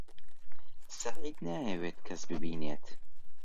سەعید نایەوێت کەس ببینێت.